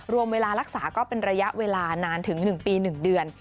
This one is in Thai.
รวมเวลารักษาก็เป็นระยะเวลานานถึง๑ปี๑เดือน